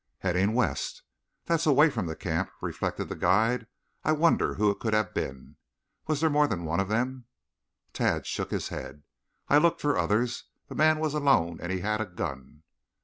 "Heading west." "That's away from the camp," reflected the guide. "I wonder who it could have been? Was there more than one of them?" Tad shook his head. "I looked for others. The man was alone and he had a gun."